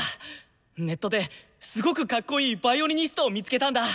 ネットですごくかっこいいヴァイオリニストを見つけたんだ！